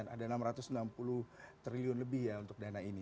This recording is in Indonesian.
ada enam ratus enam puluh triliun lebih ya untuk dana ini